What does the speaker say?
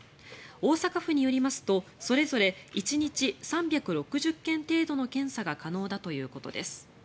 大阪府によりますと、それぞれ１日３６０件程度の検査が可能だということです。